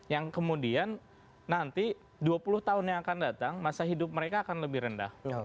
yang kemudian nanti dua puluh tahun yang akan datang masa hidup mereka akan lebih rendah